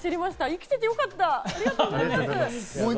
生きててよかった。